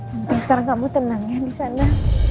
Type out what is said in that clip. nanti sekarang kamu tenang ya disana